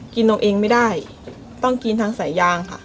กินเอาเองไม่ได้ต้องกินทางสายยางค่ะ